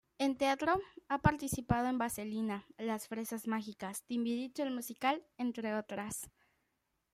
En teatro ha participado en "Vaselina", "Las fresas mágicas", "Timbiriche, el musical", entre otras.